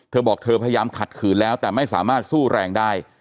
เธอบอกเธอพยายามขัดขืนแล้วแต่ไม่สามารถสู้แรงได้